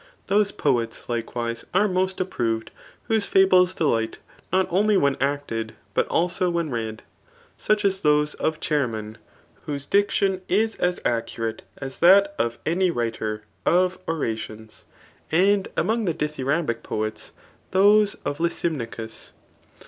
] Those poets, likewise, are most approved, whose fables delight, not only when acted, but also when read ; such as those of Chaeremon, whose diction is as accurate as that of any writer of ora tions ; and among the dithyrambic poets, those of Licym nicus.